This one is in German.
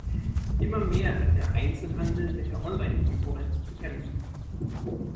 Immer mehr hat der Einzelhandel mit der Online-Konkurrenz zu kämpfen.